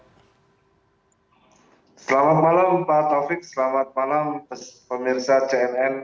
selamat malam pak taufik selamat malam pemirsa cnn